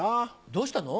どうしたの？